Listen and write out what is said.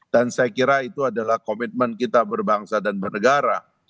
dan saya kira itu adalah komitmen kita berbangsa dan berhubungan